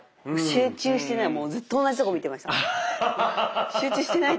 集中してねもうずっと同じとこ見てました。